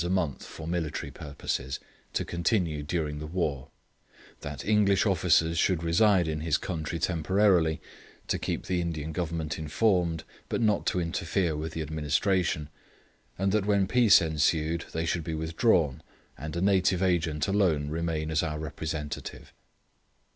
a month for military purposes, to continue during the war; that English officers should reside in his country temporarily, to keep the Indian Government informed, but not to interfere with the administration, and that when peace ensued they should be withdrawn, and a native agent alone remain as our representative.